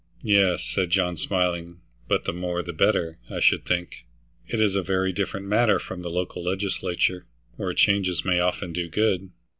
"Yes," said John, smiling, "but the more the better, I should think. It is a very different matter from the local legislature, where changes may often do good."